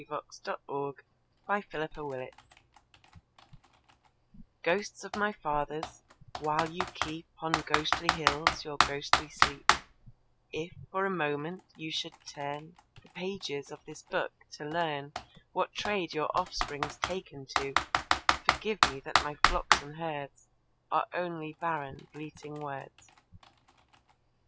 Arthur Davison Ficke An Epilogue GHOSTS of my fathers, while you keep On ghostly hills your ghostly sleep, If for a moment you should turn The pages of this book to learn What trade your offspring's taken to, Forgive me that my flocks and herds Are only barren bleating words.